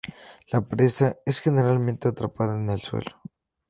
La presa es generalmente atrapada en el suelo.